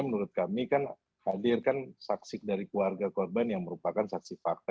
menurut kami kan hadirkan saksi dari keluarga korban yang merupakan saksi fakta